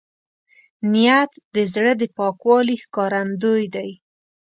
نیت د زړه د پاکوالي ښکارندوی دی.